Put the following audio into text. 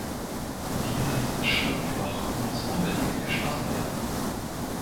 Dieses Schlupfloch muss unbedingt geschlossen werden.